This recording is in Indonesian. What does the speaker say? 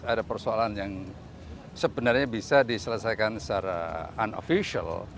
ada persoalan yang sebenarnya bisa diselesaikan secara unoficial